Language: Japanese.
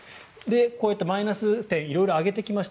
こういったマイナス点色々挙げてきました。